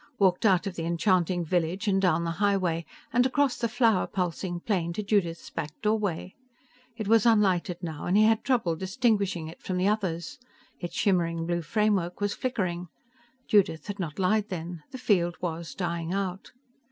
Walked out of the enchanting village and down the highway and across the flower pulsing plain to Judith's back doorway. It was unlighted now, and he had trouble distinguishing it from the others. Its shimmering blue framework was flickering. Judith had not lied then: the field was dying out.